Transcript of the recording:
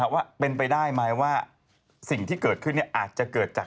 ว่าเป็นไปได้ไหมว่าสิ่งที่เกิดขึ้นอาจจะเกิดจาก